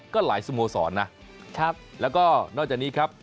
ก็หลายสโมสรนะครับแล้วก็นอกจากนี้ครับ